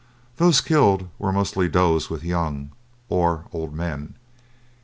Those killed were mostly does with young, or old men.